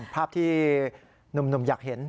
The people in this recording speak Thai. ภาพที่หนุ่มอยากเห็น